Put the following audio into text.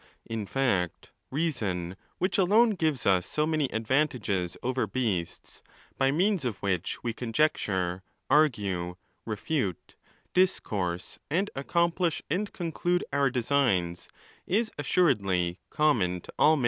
In fact, reason, which alone gives us so many advantages over beasts, by means of which we conjecture, argue, refute, discourse, and accomplish and conclude our designs, is as suredly common to all.